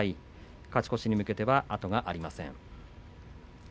勝ち越しに向けて後がありません。